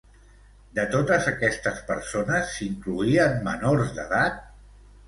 De totes aquestes persones, s'incloïen menors d'edat?